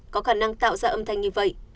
có khả năng tạo ra âm thanh như vậy